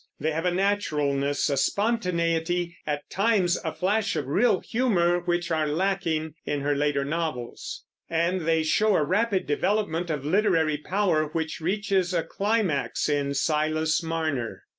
They have a naturalness, a spontaneity, at times a flash of real humor, which are lacking in her later novels; and they show a rapid development of literary power which reaches a climax in Silas Marner.